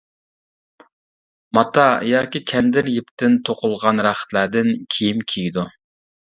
ماتا ياكى كەندىر يىپتىن توقۇلغان رەختلەردىن كىيىم كىيىدۇ.